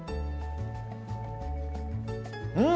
うん！